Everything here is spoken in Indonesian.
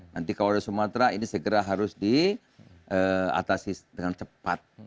nanti kalau di sumatera ini segera harus diatasi dengan cepat